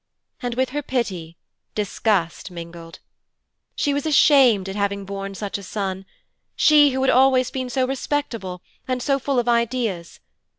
And with her pity disgust mingled. She was ashamed at having borne such a son, she who had always been so respectable and so full of ideas.